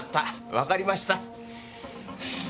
わかりました。